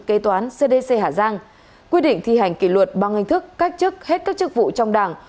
kế toán cdc hà giang quy định thi hành kỷ luật bằng hình thức cách chức hết các chức vụ trong đảng